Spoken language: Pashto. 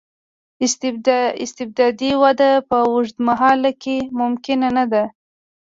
استبدادي وده په اوږد مهال کې ممکنه نه ده.